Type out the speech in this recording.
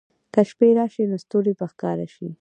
که شپې راشي، نو ستوري به ښکاره شي.